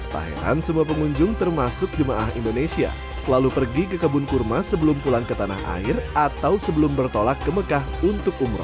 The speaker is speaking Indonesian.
tak heran semua pengunjung termasuk jemaah indonesia selalu pergi ke kebun kurma sebelum pulang ke tanah air atau sebelum bertolak ke mekah untuk umroh